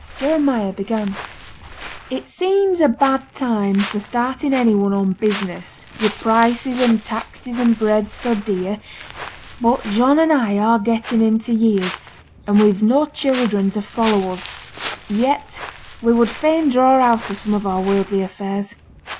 Jeremiah began: 'It seems a bad time for starting any one on business, wi' prices and taxes and bread so dear; but John and I are getting into years, and we've no children to follow us: yet we would fain draw out of some of our worldly affairs.